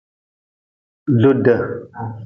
Dude.